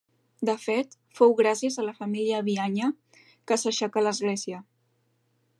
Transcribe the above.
De fet, fou gràcies a la família Bianya que s'aixecà l'església.